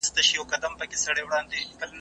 کتاب د زده کوونکي له خوا لوستل کيږي؟